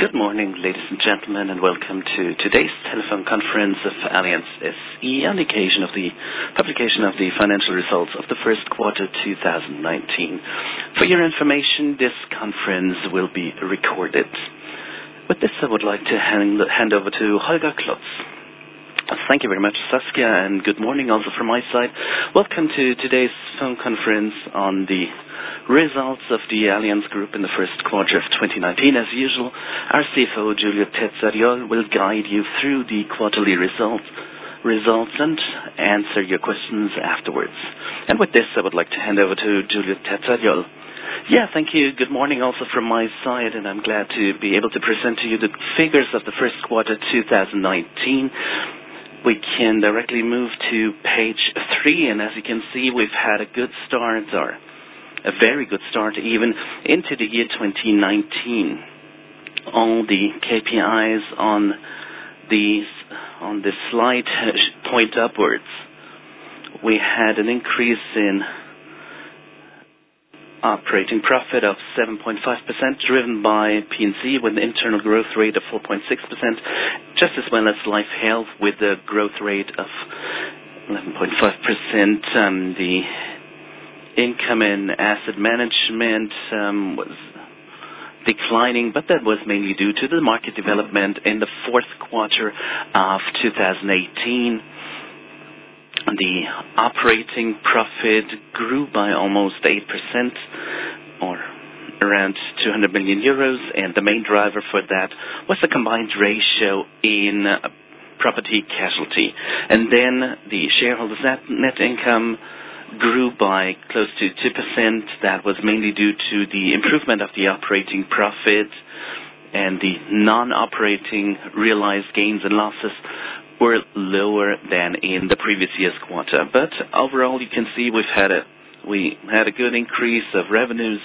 Good morning, ladies and gentlemen, and welcome to today's telephone conference of Allianz SE on the occasion of the publication of the financial results of the first quarter 2019. For your information, this conference will be recorded. With this, I would like to hand over to Holger Klotz. Thank you very much, Saskia, and good morning also from my side. Welcome to today's phone conference on the results of the Allianz Group in the first quarter of 2019. As usual, our CFO, Giulio Terzariol, will guide you through the quarterly results and answer your questions afterwards. And with this, I would like to hand over to Giulio Terzariol. Yeah, thank you. Good morning also from my side, and I'm glad to be able to present to you the figures of the first quarter 2019. We can directly move to page three, and as you can see, we've had a good start, or a very good start, even into the year 2019. All the KPIs on this slide point upwards. We had an increase in operating profit of 7.5%, driven by P&C, with an internal growth rate of 4.6%, just as well as Life/Health with a growth rate of 11.5%. The income in Asset Management was declining, but that was mainly due to the market development in the fourth quarter of 2018. The operating profit grew by almost 8%, or around 200 million euros, and the main driver for that was the combined ratio in Property-Casualty, and then the shareholders' net income grew by close to 2%. That was mainly due to the improvement of the operating profit, and the non-operating realized gains and losses were lower than in the previous year's quarter. But overall, you can see we've had a good increase of revenues,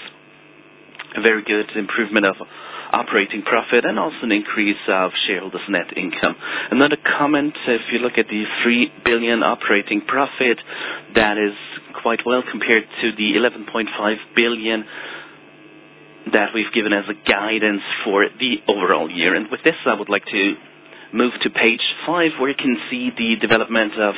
a very good improvement of operating profit, and also an increase of shareholders' net income. Another comment: if you look at the 3 billion operating profit, that is quite well compared to the 11.5 billion that we've given as guidance for the overall year. And with this, I would like to move to page five, where you can see the development of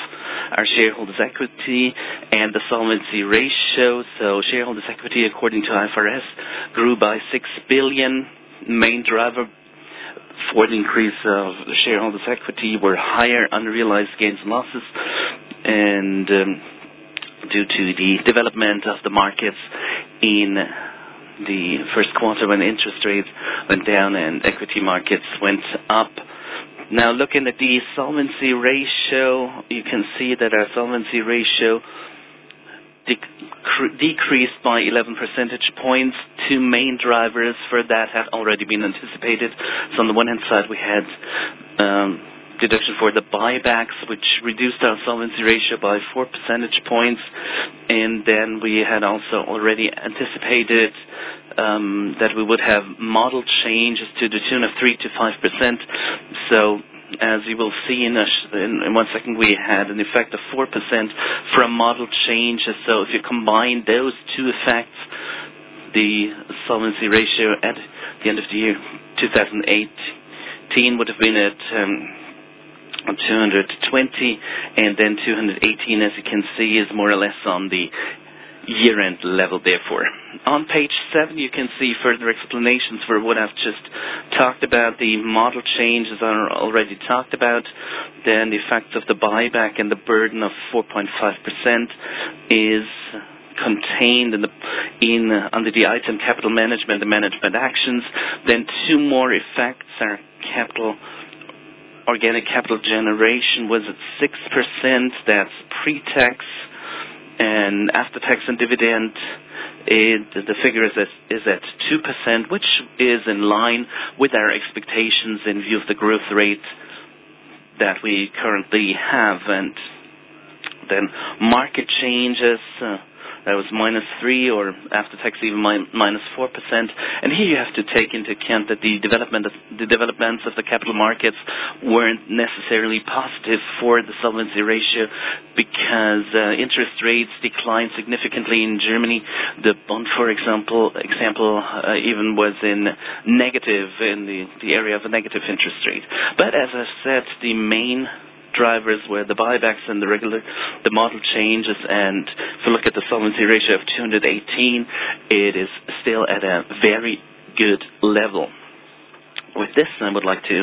our shareholders' equity and the solvency ratio. So shareholders' equity, according to IFRS, grew by 6 billion. The main driver for the increase of shareholders' equity was higher unrealized gains and losses, and due to the development of the markets in the first quarter when interest rates went down and equity markets went up. Now, looking at the solvency ratio, you can see that our solvency ratio decreased by 11 percentage points. Two main drivers for that had already been anticipated, so on the one hand side, we had deduction for the buybacks, which reduced our solvency ratio by 4 percentage points, and then we had also already anticipated that we would have model changes to the tune of 3%-5%. So as you will see in one second, we had an effect of 4% from model changes, so if you combine those two effects, the solvency ratio at the end of the year 2018 would have been at 220, and then 218, as you can see, is more or less on the year-end level, therefore. On page seven, you can see further explanations for what I've just talked about. The model changes are already talked about, then the effect of the buyback and the burden of 4.5% is contained under the item capital management and management actions. Then two more effects: our organic capital generation was at 6%. That's pre-tax and after-tax and dividend. The figure is at 2%, which is in line with our expectations in view of the growth rate that we currently have. And then market changes: that was -3%, or after-tax even -4%. And here you have to take into account that the developments of the capital markets weren't necessarily positive for the solvency ratio because interest rates declined significantly in Germany. The Bund, for example, even was in negative in the area of a negative interest rate. But as I said, the main drivers were the buybacks and the regular model changes. And if you look at the solvency ratio of 218%, it is still at a very good level. With this, I would like to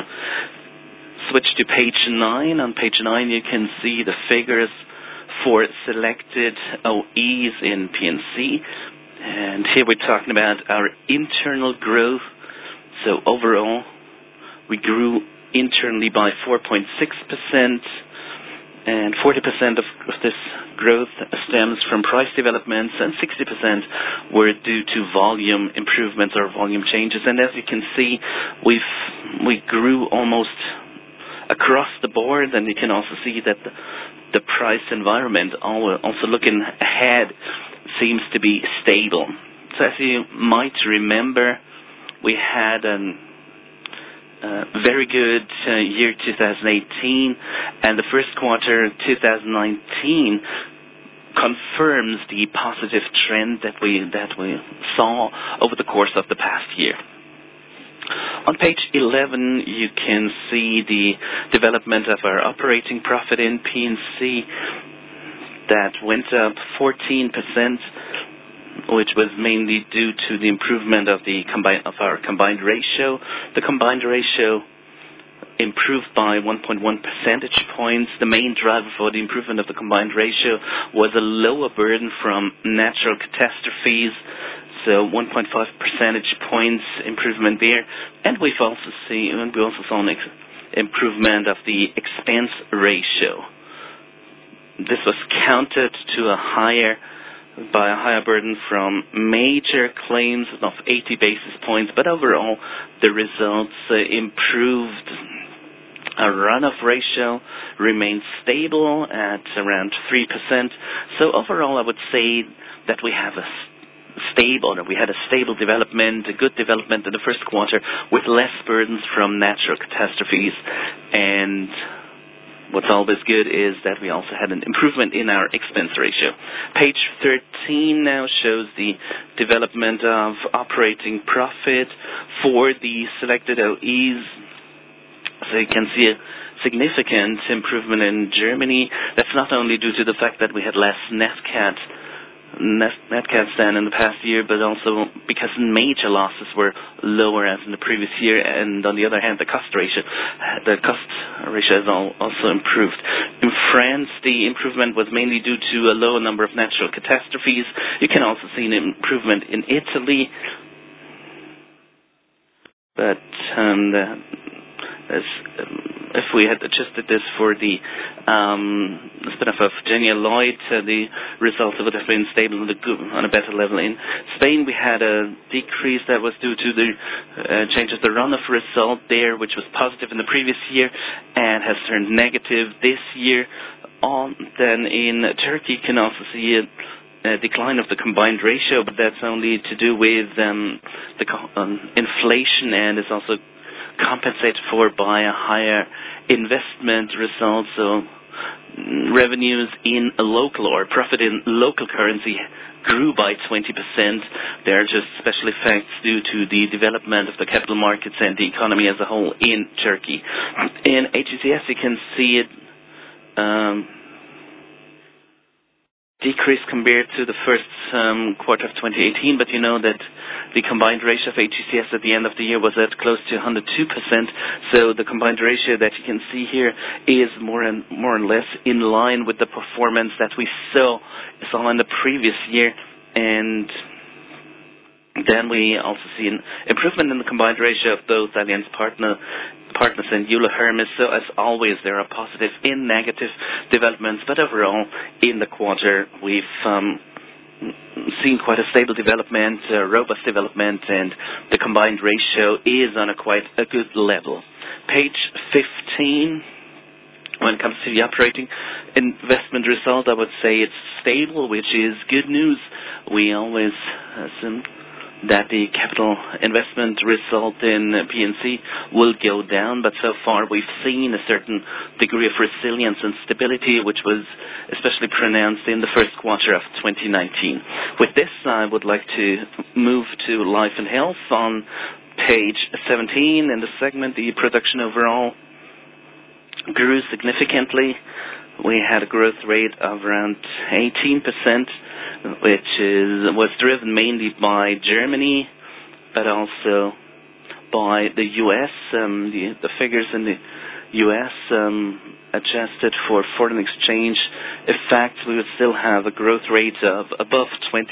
switch to page nine. On page nine, you can see the figures for selected OEs in P&C, and here we're talking about our internal growth, so overall, we grew internally by 4.6%, and 40% of this growth stems from price developments, and 60% were due to volume improvements or volume changes, and as you can see, we grew almost across the board, and you can also see that the price environment, also looking ahead, seems to be stable, so as you might remember, we had a very good year 2018, and the first quarter 2019 confirms the positive trend that we saw over the course of the past year. On page 11, you can see the development of our operating profit in P&C. That went up 14%, which was mainly due to the improvement of our combined ratio. The combined ratio improved by 1.1 percentage points. The main driver for the improvement of the combined ratio was a lower burden from natural catastrophes, so 1.5 percentage points improvement there, and we also saw an improvement of the expense ratio. This was countered by a higher burden from major claims of 80 basis points. But overall, the results improved. Our runoff ratio remained stable at around 3%. Overall, I would say that we have a stable—we had a stable development, a good development in the first quarter, with less burdens from natural catastrophes, and what's always good is that we also had an improvement in our expense ratio. Page 13 now shows the development of operating profit for the selected OEs, so you can see a significant improvement in Germany. That's not only due to the fact that we had less NatCat than in the past year, but also because major losses were lower as in the previous year. And on the other hand, the cost ratio has also improved. In France, the improvement was mainly due to a lower number of natural catastrophes. You can also see an improvement in Italy. But if we had adjusted this for the spin-off of Genialloyd, the results would have been stable on a better level. In Spain, we had a decrease that was due to the change of the runoff result there, which was positive in the previous year and has turned negative this year. Then in Turkey, you can also see a decline of the combined ratio, but that's only to do with the inflation and is also compensated for by a higher investment result. Revenues in local or profit in local currency grew by 20%. There are just special effects due to the development of the capital markets and the economy as a whole in Turkey. In AGCS, you can see a decrease compared to the first quarter of 2018, but you know that the combined ratio of AGCS at the end of the year was at close to 102%. The combined ratio that you can see here is more or less in line with the performance that we saw in the previous year. Then we also see an improvement in the combined ratio of both Allianz Partners and Euler Hermes. As always, there are positive and negative developments, but overall, in the quarter, we've seen quite a stable development, robust development, and the combined ratio is on a quite good level. Page 15, when it comes to the operating investment result, I would say it's stable, which is good news. We always assume that the capital investment result in P&C will go down, but so far we've seen a certain degree of resilience and stability, which was especially pronounced in the first quarter of 2019. With this, I would like to move to Life/Health. On page 17, in the segment, the production overall grew significantly. We had a growth rate of around 18%, which was driven mainly by Germany, but also by the U.S. The figures in the U.S., adjusted for foreign exchange effect, we would still have a growth rate of above 20%.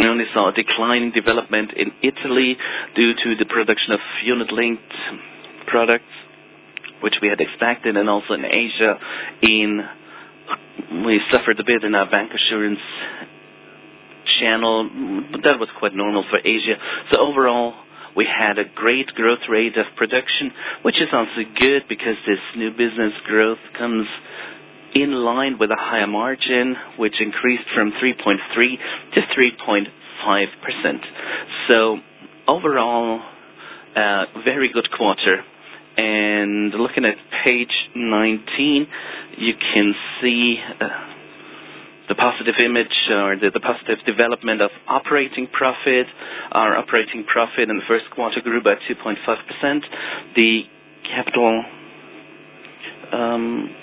We only saw a declining development in Italy due to the production of unit-linked products, which we had expected, and also in Asia. We suffered a bit in our bancassurance channel, but that was quite normal for Asia. So overall, we had a great growth rate of production, which is also good because this new business growth comes in line with a higher margin, which increased from 3.3% to 3.5%. So overall, a very good quarter, and looking at page 19, you can see the positive image or the positive development of operating profit. Our operating profit in the first quarter grew by 2.5%. The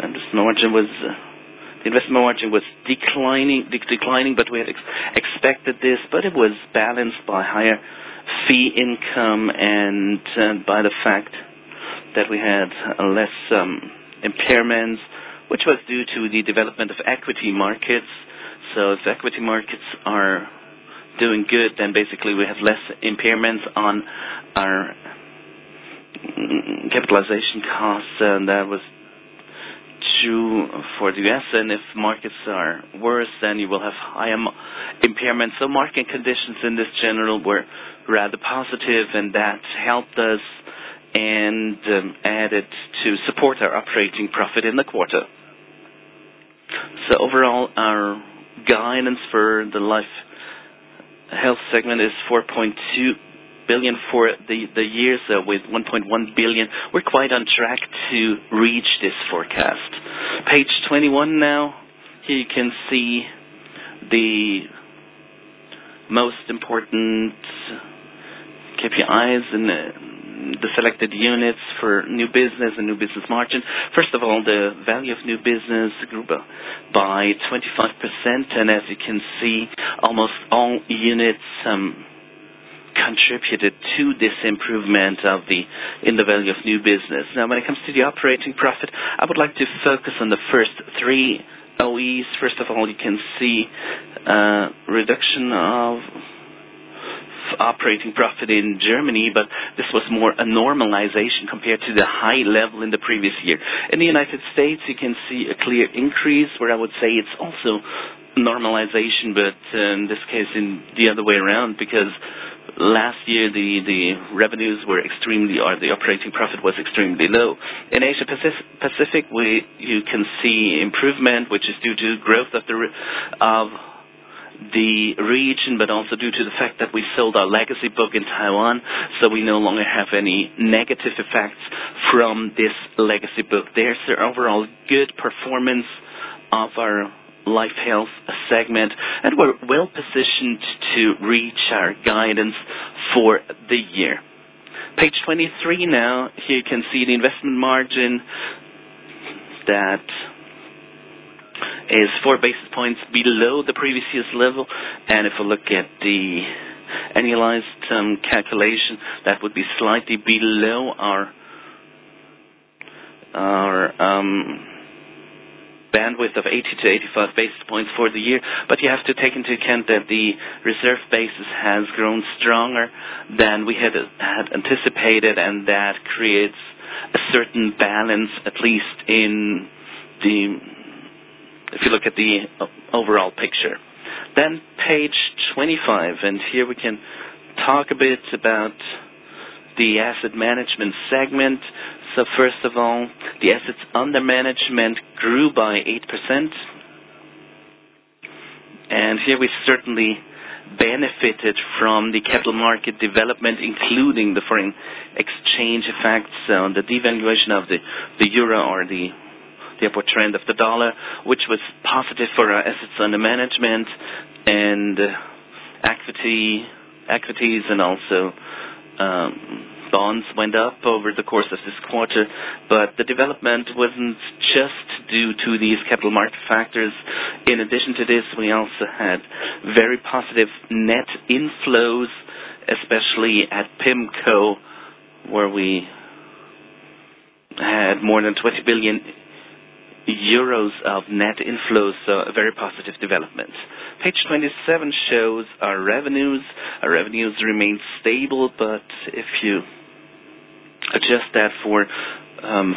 investment margin was declining, but we had expected this, but it was balanced by higher fee income and by the fact that we had less impairments, which was due to the development of equity markets. So if equity markets are doing good, then basically we have less impairments on our capitalization costs, and that was true for the U.S. And if markets are worse, then you will have higher impairments. So market conditions in this quarter generally were rather positive, and that helped us and added to support our operating profit in the quarter. So overall, our guidance for the Life/Health segment is 4.2 billion for the year, so with 1.1 billion. We're quite on track to reach this forecast. Page 21 now, here you can see the most important KPIs in the selected units for new business and new business margin. First of all, the value of new business grew by 25%, and as you can see, almost all units contributed to this improvement in the value of new business. Now, when it comes to the operating profit, I would like to focus on the first three OEs. First of all, you can see a reduction of operating profit in Germany, but this was more a normalization compared to the high level in the previous year. In the United States, you can see a clear increase, where I would say it's also normalization, but in this case, the other way around, because last year the revenues were extremely-or the operating profit was extremely low. In Asia Pacific, you can see improvement, which is due to growth of the region, but also due to the fact that we sold our legacy book in Taiwan. So we no longer have any negative effects from this legacy book there. So overall, good performance of our life health segment, and we're well positioned to reach our guidance for the year. Page 23 now, here you can see the investment margin that is four basis points below the previous year's level. If we look at the annualized calculation, that would be slightly below our bandwidth of 80 to 85 basis points for the year. You have to take into account that the reserve basis has grown stronger than we had anticipated, and that creates a certain balance, at least if you look at the overall picture. Page 25, and here we can talk a bit about the Asset Management segment. First of all, the assets under management grew by 8%. Here we certainly benefited from the capital market development, including the foreign exchange effects on the devaluation of the euro or the upward trend of the dollar, which was positive for our assets under management. Equities and also bonds went up over the course of this quarter, but the development wasn't just due to these capital market factors. In addition to this, we also had very positive net inflows, especially at PIMCO, where we had more than 20 billion euros of net inflows, so a very positive development. Page 27 shows our revenues. Our revenues remained stable, but if you adjust that for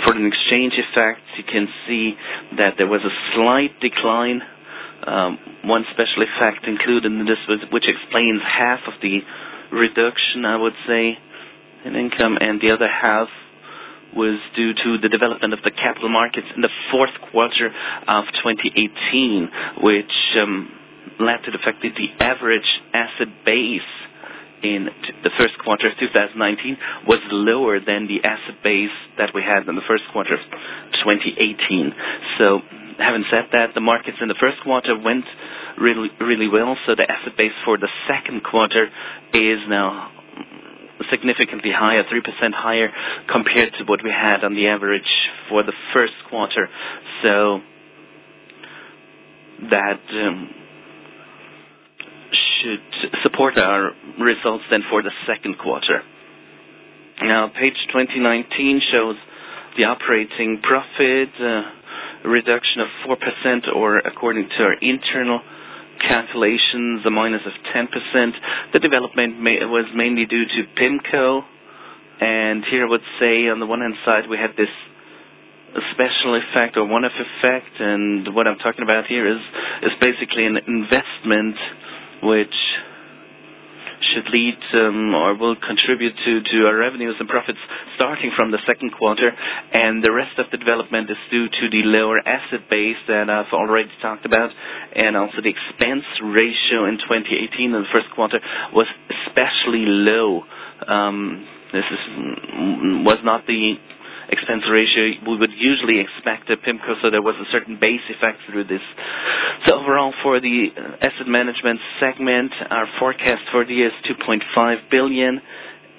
foreign exchange effects, you can see that there was a slight decline. One special effect included in this, which explains half of the reduction, I would say, in income, and the other half was due to the development of the capital markets in the fourth quarter of 2018, which led to the fact that the average asset base in the first quarter of 2019 was lower than the asset base that we had in the first quarter of 2018. So having said that, the markets in the first quarter went really well. So the asset base for the second quarter is now significantly higher, 3% higher compared to what we had on the average for the first quarter. So that should support our results then for the second quarter. Now, page 29 shows the operating profit reduction of 4%, or according to our internal calculations, a minus of 10%. The development was mainly due to PIMCO. And here I would say, on the one hand side, we had this special effect or one-off effect, and what I'm talking about here is basically an investment which should lead or will contribute to our revenues and profits starting from the second quarter. And the rest of the development is due to the lower asset base that I've already talked about. And also the expense ratio in 2018 in the first quarter was especially low. This was not the expense ratio we would usually expect at PIMCO, so there was a certain base effect through this, so overall, for the Asset Management segment, our forecast for the year is 2.5 billion,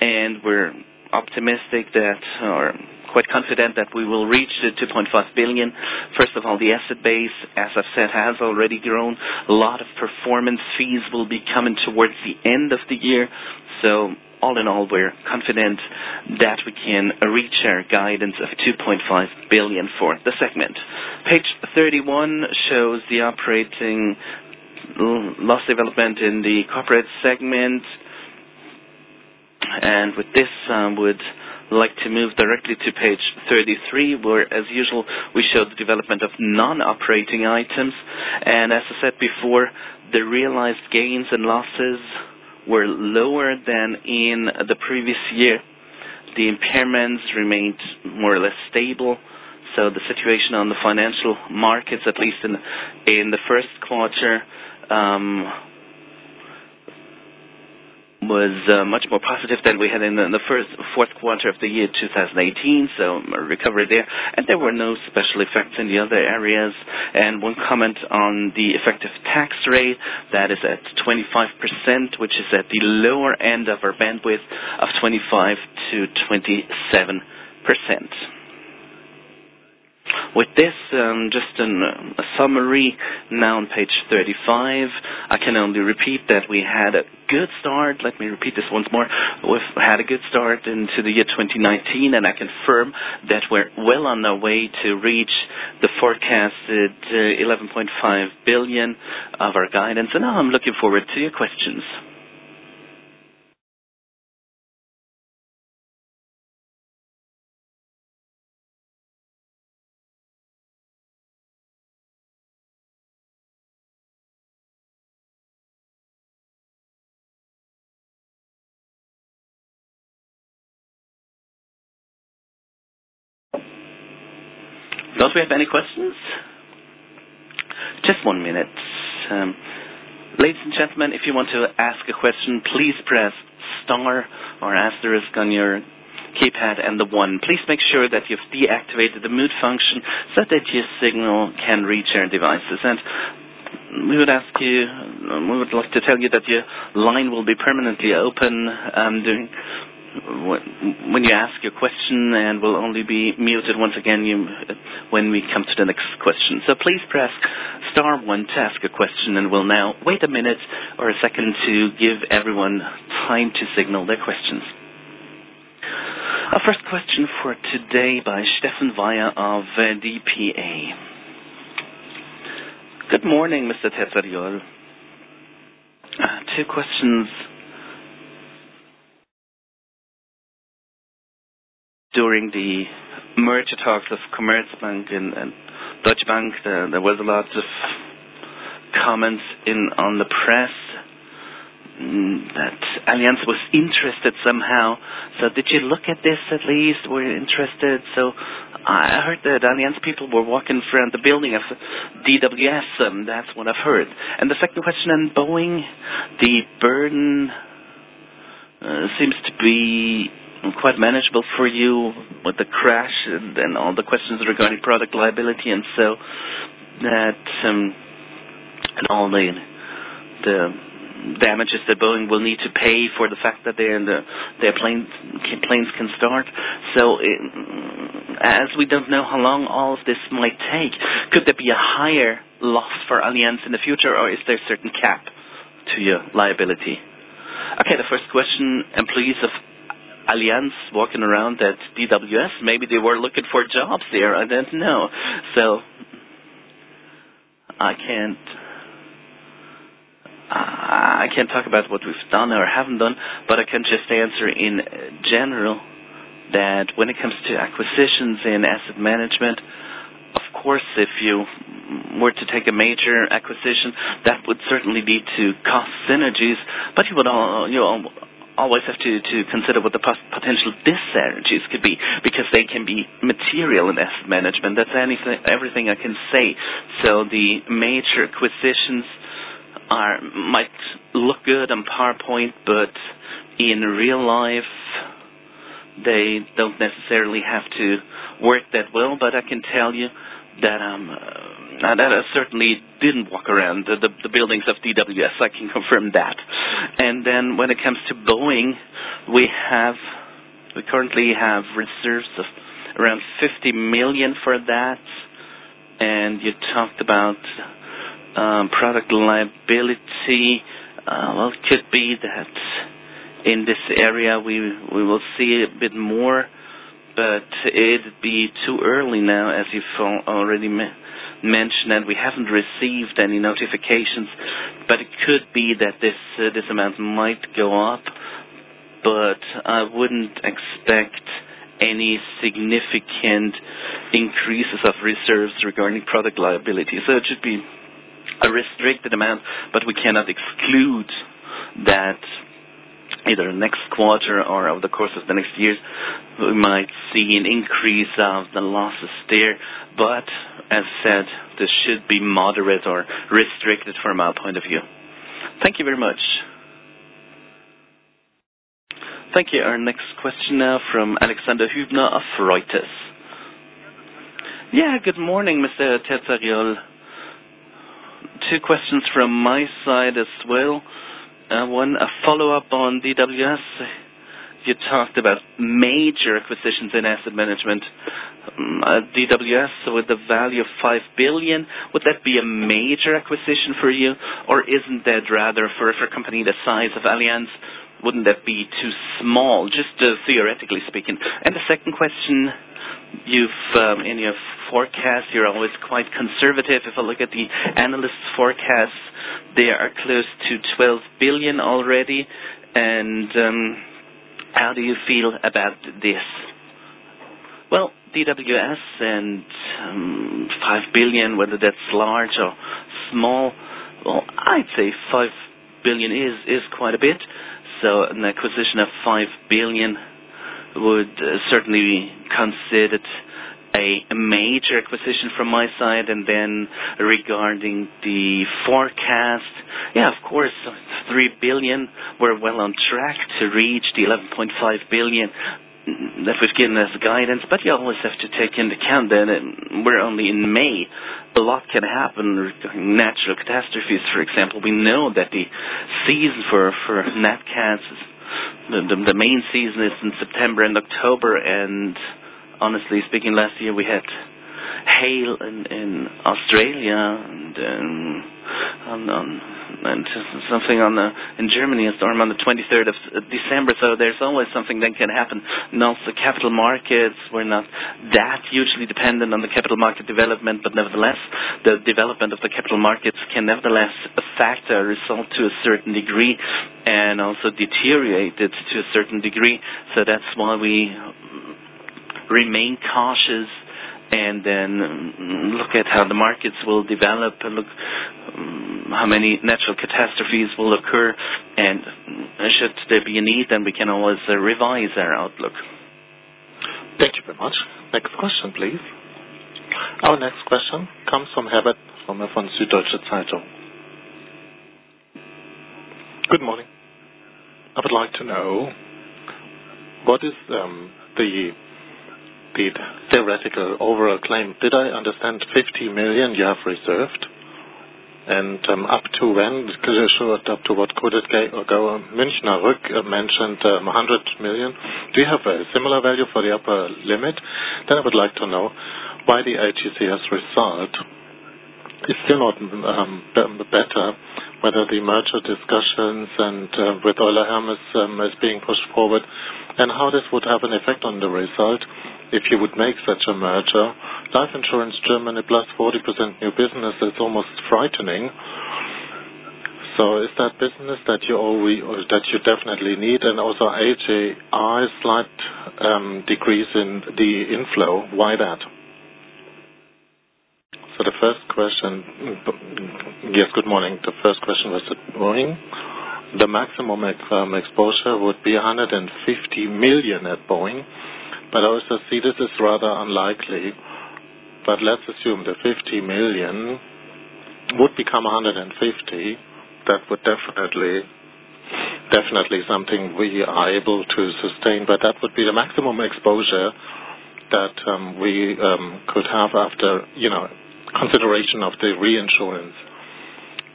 and we're optimistic that, or quite confident that we will reach the 2.5 billion. First of all, the asset base, as I've said, has already grown. A lot of performance fees will be coming towards the end of the year. So all in all, we're confident that we can reach our guidance of 2.5 billion for the segment. Page 31 shows the operating loss development in the corporate segment, and with this, I would like to move directly to page 33, where, as usual, we showed the development of non-operating items, and as I said before, the realized gains and losses were lower than in the previous year. The impairments remained more or less stable. The situation on the financial markets, at least in the first quarter, was much more positive than we had in the fourth quarter of the year 2018. Recovery there. There were no special effects in the other areas. One comment on the effective tax rate, that is at 25%, which is at the lower end of our bandwidth of 25%-27%. With this, just a summary now on page 35. I can only repeat that we had a good start. Let me repeat this once more. We've had a good start into the year 2019, and I confirm that we're well on our way to reach the forecasted 11.5 billion of our guidance. Now I'm looking forward to your questions. Those who have any questions? Just one minute. Ladies and gentlemen, if you want to ask a question, please press star or asterisk on your keypad and the one. Please make sure that you've deactivated the mute function so that your signal can reach our devices, and we would ask you—we would like to tell you that your line will be permanently open when you ask your question and will only be muted once again when we come to the next question, so please press star one to ask a question, and we'll now wait a minute or a second to give everyone time to signal their questions. Our first question for today by Stefan Weier of DPA. Good morning, Mr. Terzariol. Two questions. During the merger talks of Commerzbank and Deutsche Bank, there was a lot of comments in the press that Allianz was interested somehow. So did you look at this at least? Were you interested? So I heard that Allianz people were walking around the building of DWS, and that's what I've heard. And the second question on Boeing, the burden seems to be quite manageable for you with the crash and all the questions regarding product liability and so that and all the damages that Boeing will need to pay for the fact that their planes can start. So as we don't know how long all of this might take, could there be a higher loss for Allianz in the future, or is there a certain cap to your liability? Okay, the first question, employees of Allianz walking around at DWS, maybe they were looking for jobs there. I don't know. I can't talk about what we've done or haven't done, but I can just answer in general that when it comes to acquisitions in asset management, of course, if you were to take a major acquisition, that would certainly lead to cost synergies, but you would always have to consider what the potential dis-synergies could be because they can be material in asset management. That's everything I can say. Major acquisitions might look good on PowerPoint, but in real life, they don't necessarily have to work that well. I can tell you that I certainly didn't walk around the buildings of DWS. I can confirm that. When it comes to Boeing, we currently have reserves of around 50 million for that. You talked about product liability. Well, it could be that in this area we will see a bit more, but it'd be too early now, as you already mentioned, and we haven't received any notifications. But it could be that this amount might go up, but I wouldn't expect any significant increases of reserves regarding product liability. So it should be a restricted amount, but we cannot exclude that either next quarter or over the course of the next years, we might see an increase of the losses there. But as said, this should be moderate or restricted from our point of view. Thank you very much. Thank you. Our next question now from Alexander Hübner of Reuters. Yeah, good morning, Mr. Terzariol. Two questions from my side as well. One, a follow-up on DWS. You talked about major acquisitions in asset management. DWS with a value of 5 billion, would that be a major acquisition for you, or isn't that rather for a company the size of Allianz? Wouldn't that be too small, just theoretically speaking? And the second question, in your forecast, you're always quite conservative. If I look at the analysts' forecasts, they are close to 12 billion already. And how do you feel about this? Well, DWS and 5 billion, whether that's large or small, well, I'd say 5 billion is quite a bit. So an acquisition of 5 billion would certainly be considered a major acquisition from my side. And then regarding the forecast, yeah, of course, 3 billion, we're well on track to reach the 11.5 billion that was given as guidance. But you always have to take into account that we're only in May. A lot can happen, natural catastrophes, for example. We know that the season for NatCats, the main season is in September and October. And honestly speaking, last year we had hail in Australia and something in Germany storm on the 23rd of December. So there's always something that can happen. And also capital markets, we're not that hugely dependent on the capital market development, but nevertheless, the development of the capital markets can nevertheless affect our result to a certain degree and also deteriorate it to a certain degree. So that's why we remain cautious and then look at how the markets will develop, how many natural catastrophes will occur. And should there be a need, then we can always revise our outlook. Thank you very much. Next question, please. Our next question comes from Herbert from Süddeutsche Zeitung. Good morning. I would like to know, what is the theoretical overall claim? Did I understand $50 million you have reserved? And up to when? Because you showed up to what could it go? Münchner Rück mentioned $100 million. Do you have a similar value for the upper limit? Then I would like to know why the AGCS result is still not better, whether the merger discussions with Euler Hermes are being pushed forward, and how this would have an effect on the result if you would make such a merger. Life Insurance Germany, plus 40% new business, it's almost frightening. So is that business that you definitely need? And also AGI, slight decrease in the inflow. Why that? So the first question yes, good morning. The first question was at Boeing. The maximum exposure would be $150 million at Boeing. But I also see this is rather unlikely. But let's assume the $50 million would become $150 million. That would definitely be something we are able to sustain. But that would be the maximum exposure that we could have after consideration of the reinsurance.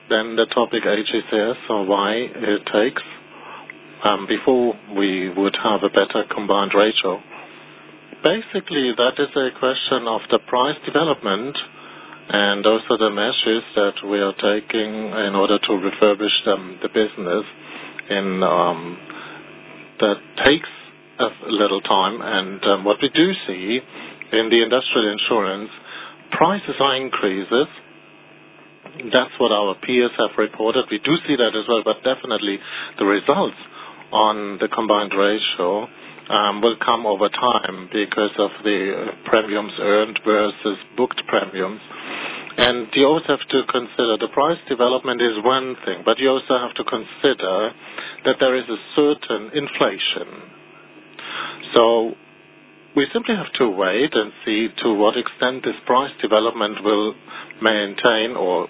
Then the topic AGCS or why it takes before we would have a better combined ratio. Basically, that is a question of the price development and also the measures that we are taking in order to refurbish the business. That takes a little time. And what we do see in the industrial insurance, prices are increases. That's what our peers have reported. We do see that as well. But definitely, the results on the combined ratio will come over time because of the premiums earned versus booked premiums. You always have to consider the price development is one thing, but you also have to consider that there is a certain inflation. So we simply have to wait and see to what extent this price development will maintain or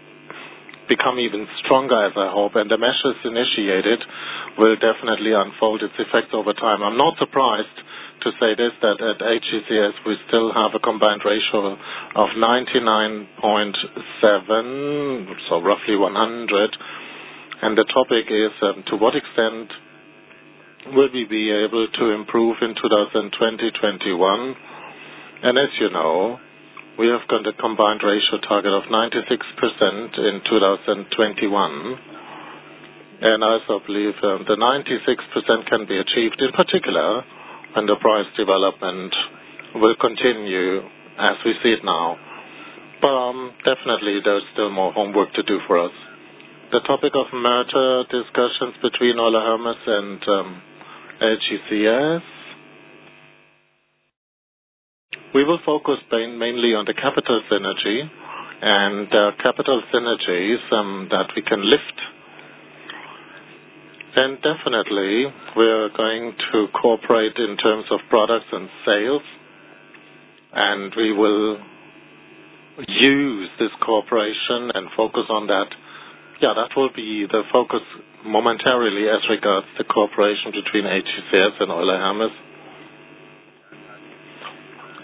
become even stronger, as I hope, and the measures initiated will definitely unfold its effects over time. I'm not surprised to say this, that at AGCS, we still have a combined ratio of 99.7%, so roughly 100%. The topic is to what extent will we be able to improve in 2020-2021? As you know, we have got a combined ratio target of 96% in 2021. I also believe the 96% can be achieved in particular when the price development will continue as we see it now. But definitely, there's still more homework to do for us. The topic of merger discussions between Euler Hermes and AGCS. We will focus mainly on the capital synergy and capital synergies that we can lift. And definitely, we're going to cooperate in terms of products and sales. And we will use this cooperation and focus on that. Yeah, that will be the focus momentarily as regards the cooperation between AGCS and Euler Hermes.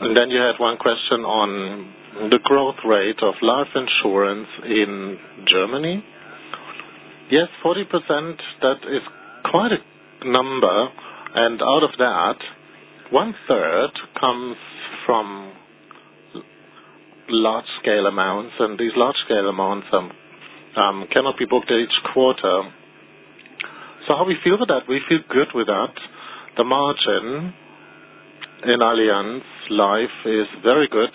And then you had one question on the growth rate of life insurance in Germany. Yes, 40%, that is quite a number. And out of that, one-third comes from large-scale amounts. And these large-scale amounts cannot be booked each quarter. So how we feel with that? We feel good with that. The margin in Allianz Life is very good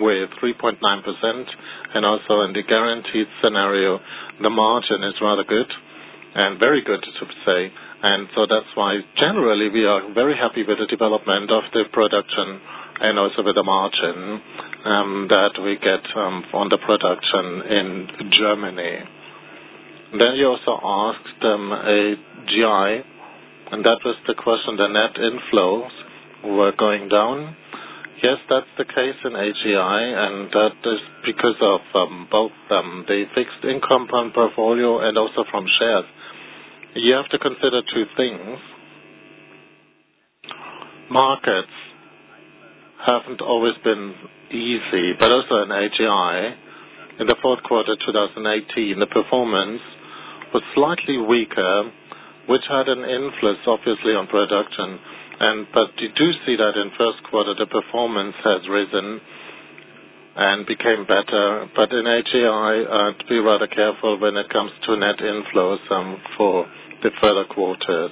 with 3.9%. And also in the guaranteed scenario, the margin is rather good and very good, I should say. And so that's why generally we are very happy with the development of the production and also with the margin that we get on the production in Germany. Then you also asked AGI, and that was the question. The net inflows were going down. Yes, that's the case in AGI, and that is because of both the fixed income portfolio and also from shares. You have to consider two things. Markets haven't always been easy, but also in AGI, in the fourth quarter of 2018, the performance was slightly weaker, which had an influence, obviously, on production. But you do see that in first quarter, the performance has risen and became better. But in AGI, to be rather careful when it comes to net inflows for the further quarters.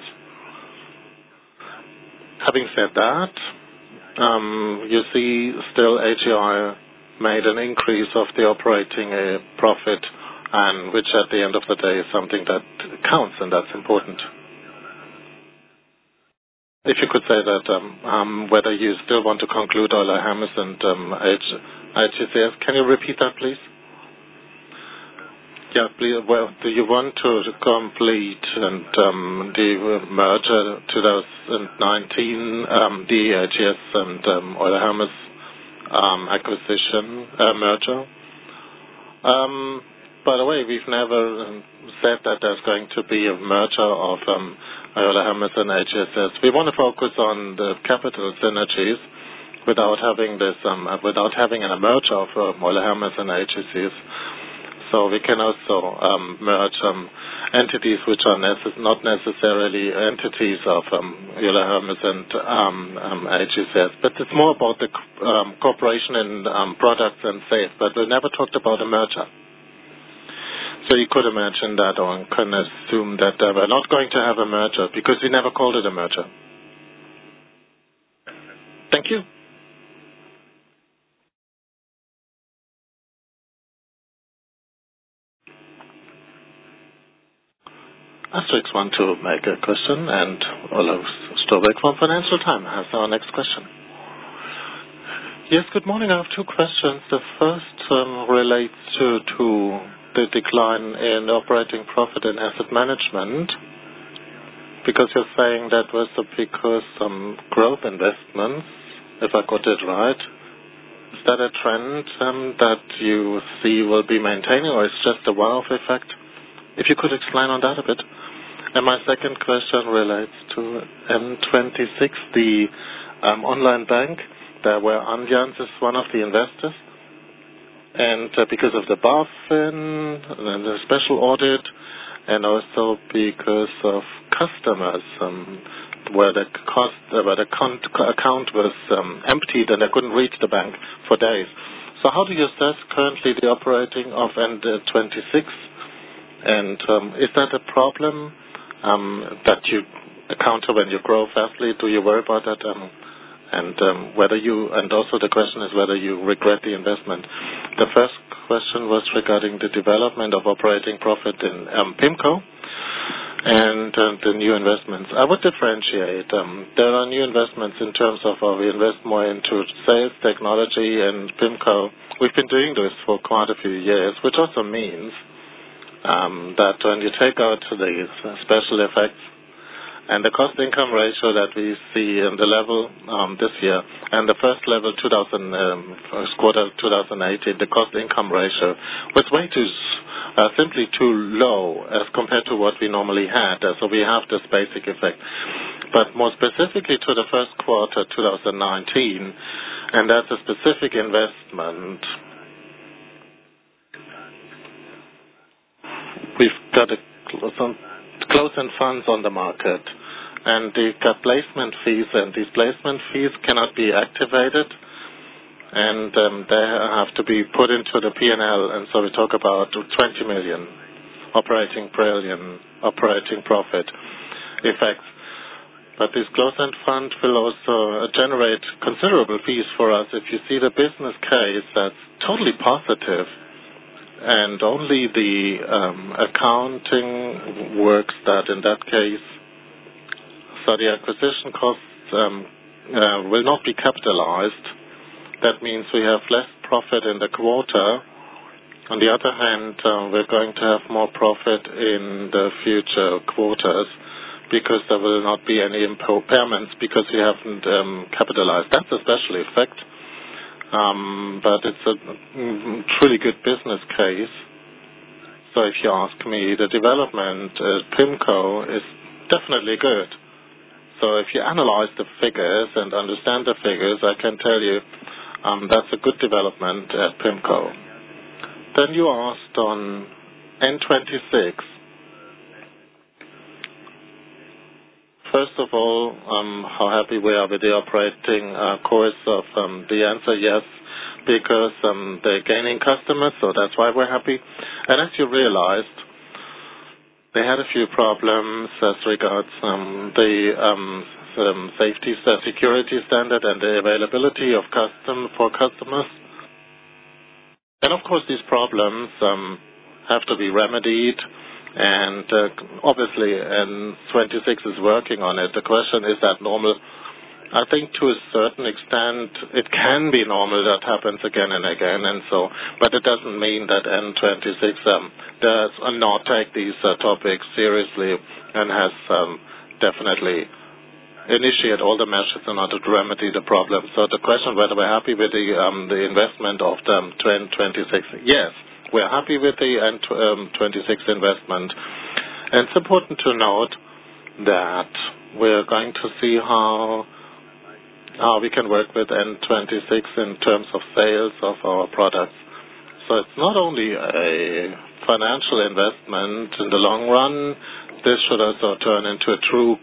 Having said that, you see still AGI made an increase of the operating profit, which at the end of the day is something that counts, and that's important. If you could say that, whether you still want to conclude Euler Hermes and AGCS, can you repeat that, please? Yeah, do you want to complete the merger 2019, the AGCS and Euler Hermes acquisition merger? By the way, we've never said that there's going to be a merger of Euler Hermes and AGCS. We want to focus on the capital synergies without having a merger of Euler Hermes and AGCS. So we can also merge entities which are not necessarily entities of Euler Hermes and AGCS. But it's more about the cooperation in products and sales. But we never talked about a merger. So you could imagine that or can assume that we're not going to have a merger because we never called it a merger. Thank you. Asterisk want to make a question, and we'll still wait for Financial Times. Has our next question? Yes, good morning. I have two questions. The first relates to the decline in operating profit in Asset Management because you're saying that was because of growth investments, if I got it right. Is that a trend that you see will be maintaining, or it's just a wow effect? If you could explain on that a bit. And my second question relates to N26, the online bank where Allianz is one of the investors. And because of the BaFin, then the special audit, and also because of customers where the account was emptied and they couldn't reach the bank for days. So how do you assess currently the operating of N26? And is that a problem that you encounter when you grow fastly? Do you worry about that? And also the question is whether you regret the investment. The first question was regarding the development of operating profit in PIMCO and the new investments. I would differentiate. There are new investments in terms of we invest more into sales, technology, and PIMCO. We've been doing this for quite a few years, which also means that when you take out the special effects and the cost-income ratio that we see in the level this year and first quarter of 2018, the cost-income ratio was simply too low as compared to what we normally had, so we have this basic effect, but more specifically to the first quarter of 2019, and that's a specific investment. We've got closed-end funds on the market, and they've got placement fees, and these placement fees cannot be capitalized, and they have to be put into the P&L. And so we talk about 20 million operating profit effects. But this closed-end fund will also generate considerable fees for us. If you see the business case, that's totally positive. And only the accounting works that way in that case. So the acquisition costs will not be capitalized. That means we have less profit in the quarter. On the other hand, we're going to have more profit in the future quarters because there will not be any payments because we haven't capitalized. That's a special effect. But it's a truly good business case. So if you ask me, the development at PIMCO is definitely good. So if you analyze the figures and understand the figures, I can tell you that's a good development at PIMCO. Then you asked on N26. First of all, how happy we are with the operating costs. The answer, yes, because they're gaining customers, so that's why we're happy. And as you realized, they had a few problems as regards the safety, security standard, and the availability for customers. And of course, these problems have to be remedied. And obviously, N26 is working on it. The question, is that normal? I think to a certain extent, it can be normal that happens again and again. But it doesn't mean that N26 does not take these topics seriously and has definitely initiated all the measures in order to remedy the problem. So the question, whether we're happy with the investment of N26? Yes, we're happy with the N26 investment. And it's important to note that we're going to see how we can work with N26 in terms of sales of our products. So it's not only a financial investment in the long run. This should also turn into a true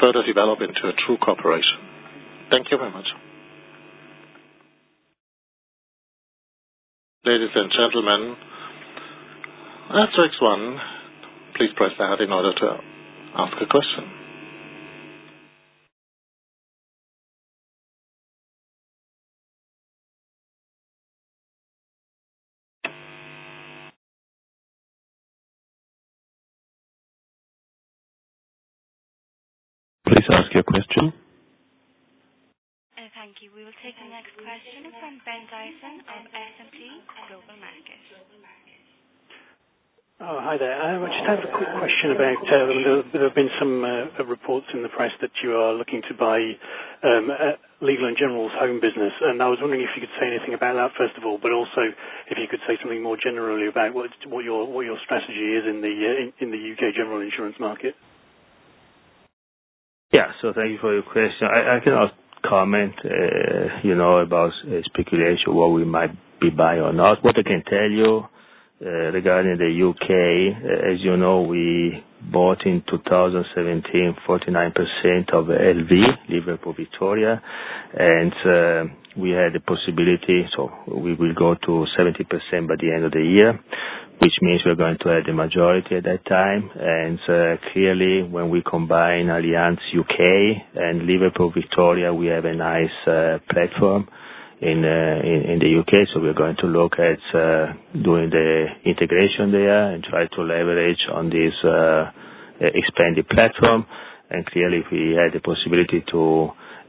further develop into a true cooperation. Thank you very much. Ladies and gentlemen, Asterisk one, please press that in order to ask a question. Please ask your question. Thank you. We will take the next question from Ben Dyson of S&P Global Market Intelligence. Hi there. I just have a quick question about, there have been some reports in the press that you are looking to buy Legal & General's home business. And I was wondering if you could say anything about that, first of all, but also if you could say something more generally about what your strategy is in the U.K. general insurance market. Yeah, so thank you for your question. I can just comment about speculation what we might be buying or not. What I can tell you regarding the U.K,, as you know, we bought in 2017 49% of LV=, Liverpool Victoria. And we had the possibility. So we will go to 70% by the end of the year, which means we're going to have the majority at that time. Clearly, when we combine Allianz UK and Liverpool Victoria, we have a nice platform in the U.K. We're going to look at doing the integration there and try to leverage on this expanded platform. Clearly, if we had the possibility to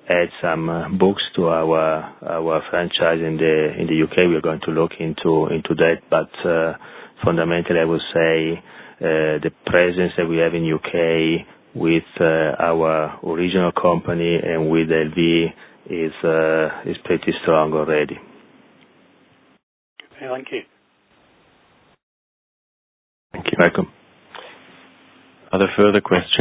add some books to our franchise in the U.K., we're going to look into that. Fundamentally, I will say the presence that we have in U.K. with our original company and with LV= is pretty strong already. Okay, thank you. Thank you, Michael. Other further questions?